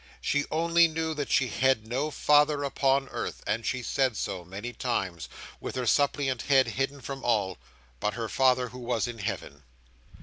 She only knew that she had no Father upon earth, and she said so, many times, with her suppliant head hidden from all, but her Father who was in Heaven.